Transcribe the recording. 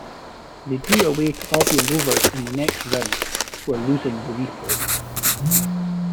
They drew away to Albion Rovers in the next round, before losing the replay.